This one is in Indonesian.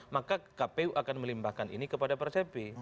maka kpu akan melimbahkan ini kepada persepi